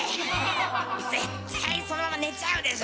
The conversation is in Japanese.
絶対そのまま寝ちゃうでしょ。